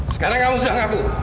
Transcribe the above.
sekarang kamu sudah ngaku